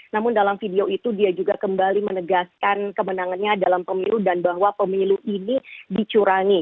namun dalam video itu dia juga kembali menegaskan kemenangannya dalam pemilu dan bahwa pemilu ini dicurangi